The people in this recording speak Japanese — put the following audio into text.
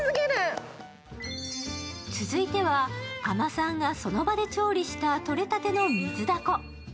続いては、海女さんがその場で調理した取れたての水だこ。